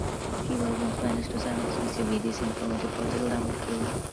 Few albums manage to simultaneously be this informative, political, and downright groovy.